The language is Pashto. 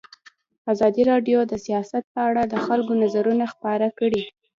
ازادي راډیو د سیاست په اړه د خلکو نظرونه خپاره کړي.